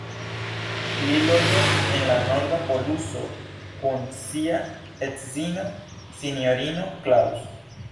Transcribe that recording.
Li loĝas en la Norda Poluso kun sia edzino, Sinjorino Claus.